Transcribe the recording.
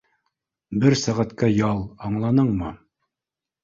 Бер сәғәткә ял, аңланыңмы?